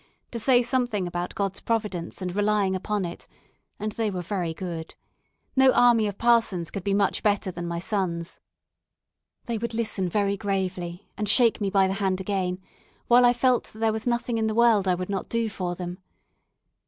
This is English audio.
to say something about God's providence and relying upon it; and they were very good. No army of parsons could be much better than my sons. They would listen very gravely, and shake me by the hand again, while I felt that there was nothing in the world I would not do for them.